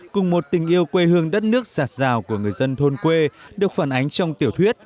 cùng một tình yêu quê hương đất nước giặt rào của người dân thôn quê được phản ánh trong tiểu thuyết